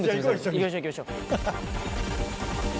行きましょう行きましょう。